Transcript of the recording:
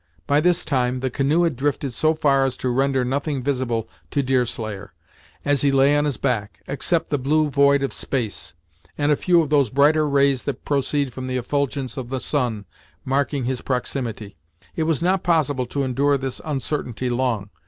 By this time, the canoe had drifted so far as to render nothing visible to Deerslayer, as he lay on his back, except the blue void of space, and a few of those brighter rays that proceed from the effulgence of the sun, marking his proximity. It was not possible to endure this uncertainty long.